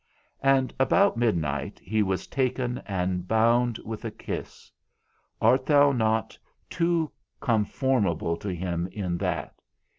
About midnight he was taken and bound with a kiss, art thou not too conformable to him in that?